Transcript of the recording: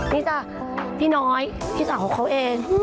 ที่จะพี่น้อยพี่สาวของเขาเอง